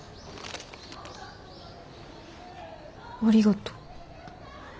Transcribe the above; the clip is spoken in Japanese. ありがとう。